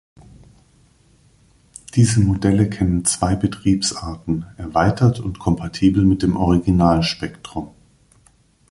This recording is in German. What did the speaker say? Diese Modelle kennen zwei Betriebsarten, erweitert und kompatibel mit dem Original-Spectrum.